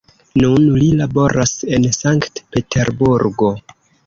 Nun li laboras en Sankt-Peterburgo.